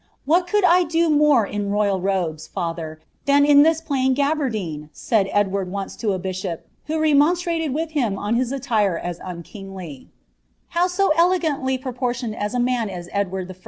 " What could 1 do more in royal robes, bther, i^h in this plain gabardine Y" said Edward once to a bishop, who fBM» strateil with him on his aitire as unkingly,' How so elegantly proportionetl a man as Edward I.